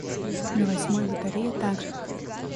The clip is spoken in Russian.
На восьмой батарее так же.